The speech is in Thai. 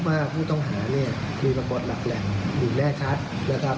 ว่าผู้ต้องหาเนี่ยมีปรากฏหลักแหล่งอยู่แน่ชัดนะครับ